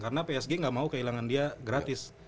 karena psg gak mau kehilangan dia gratis